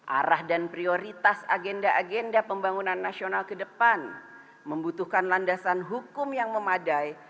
arah dan prioritas agenda agenda pembangunan nasional ke depan membutuhkan landasan hukum yang memadai